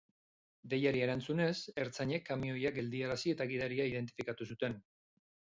Deiari erantzunez, ertzainek kamioia geldiarazi eta gidaria identifikatu zuten.